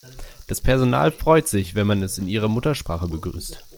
Das Personal freut sich, wenn man es in ihrer Muttersprache begrüßt.